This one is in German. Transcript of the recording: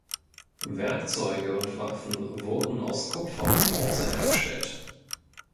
Werkzeuge und Waffen wurden aus Kupfer und Bronze hergestellt.